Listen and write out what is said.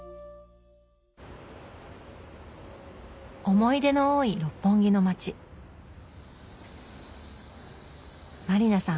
思い出の多い六本木の街満里奈さん